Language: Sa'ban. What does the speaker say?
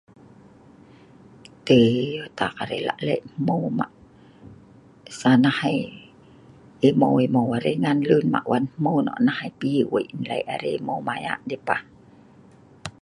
Tii... Tak arai lah leh hmeu mah' sanah hai imeu' imeu' arai ngan lun mah' wan hmeu nok nah ai piyi wei' nleh' arai imeu' maya' ndeh pah.